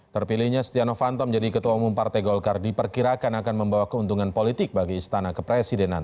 terpilihnya setia novanto menjadi ketua umum partai golkar diperkirakan akan membawa keuntungan politik bagi istana kepresidenan